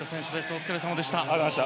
お疲れさまでした。